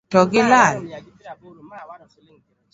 To gi lal.